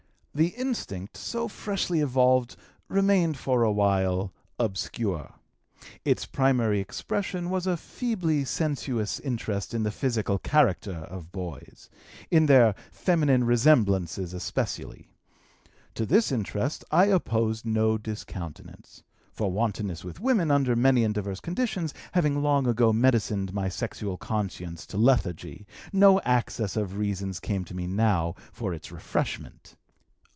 The instinct so freshly evolved remained for a while obscure. Its primary expression was a feebly sensuous interest in the physical character of boys in their feminine resemblances especially. To this interest I opposed no discountenance; for wantonness with women under many and diverse conditions having long ago medicined my sexual conscience to lethargy, no access of reasons came to me now for its refreshment.